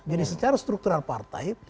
jadi secara struktural partai